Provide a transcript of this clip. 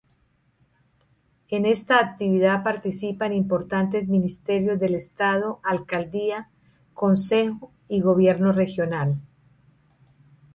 En esta actividad participan importantes ministerios del Estado, Alcaldía, Consejo y Gobierno Regional.